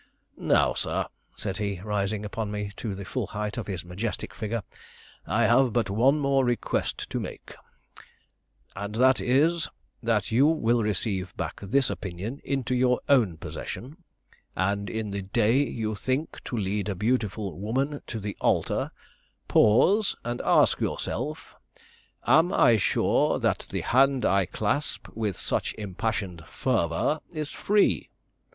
"Now, sir," said he, rising upon me to the full height of his majestic figure, "I have but one more request to make; and that is, that you will receive back this opinion into your own possession, and in the day you think to lead a beautiful woman to the altar, pause and ask yourself: 'Am I sure that the hand I clasp with such impassioned fervor is free?